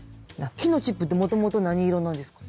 木のチップってもともと何色なんですか？